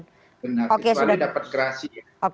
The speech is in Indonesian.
benar kecuali mendapatkan gerasi